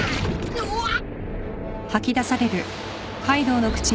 うわっ！